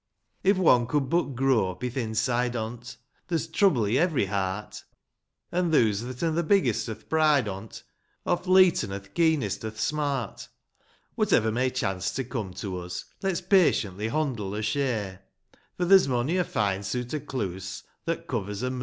IV. Iv one could but grope i'th inside on't, There's trouble i' every heart ; An' thoose that'n th' biggest o'th pride on'l, Oft leeten^ o'th keenest o'th smart. Whatever may chance to come to us, Let's patiently hondle er share, — For there's mony a fine suit o' clooas,* That covers a murderin' care.